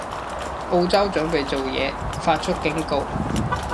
澳洲準備做嘢，發出警告